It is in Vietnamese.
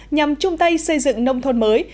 nhằm chung tay xây dựng nông thôn mới